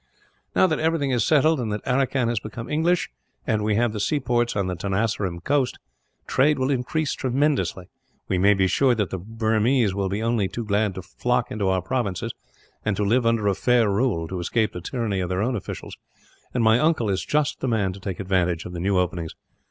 "Now that everything is settled, and that Aracan has become English, and we have the seaports on the Tenasserim coast, trade will increase tremendously. You may be sure that the Burmese will be only too glad to flock into our provinces, and to live under a fair rule, to escape the tyranny of their own officials; and my uncle is just the man to take advantage of the new openings.